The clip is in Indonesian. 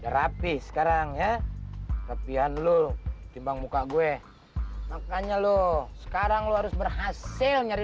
nah rapi sekarang ya tepian lu cimbang muka gue makanya lo sekarang lu harus berhasil nyari